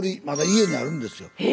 まだ家にあるんですよ。